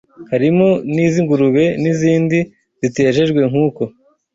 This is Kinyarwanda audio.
harimo n’iz’ingurube n’izindi zitejejwe nk’uko